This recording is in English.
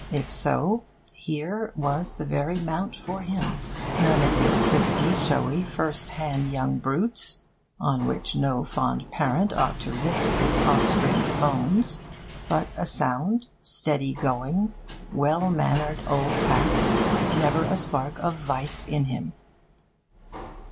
If so, here was the very mount for him. None of your frisky, showy, first hand young brutes, on which no fond parent ought to risk his offspring's bones; but a sound, steady going, well mannered old hack with never a spark of vice in him!